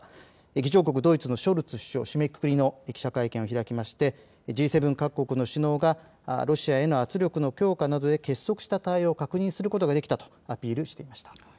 議長国ドイツのショルツ首相は締めくくりの記者会見を開きＧ７各国の首脳が、ロシアへの圧力への強化などに結束した対応を確認することができたとアピールしていました。